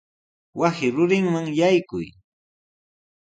Wasi rurinman yaykuy.